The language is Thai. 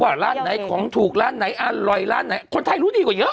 ว่าร้านไหนของถูกร้านไหนอร่อยร้านไหนคนไทยรู้ดีกว่าเยอะ